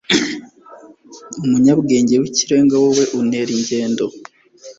Umunyabwenge w'ikirenga wowe untera ingendo